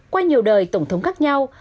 qua nhiều đời tổng thống khác nhau